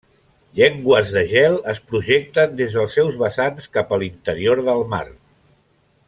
Llengües de gel es projecten des dels seus vessants cap a l'interior del mar.